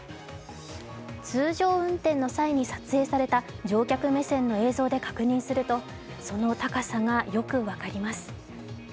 通常運転の際に撮影された乗客目線の映像で確認するとその高さがよく分かります。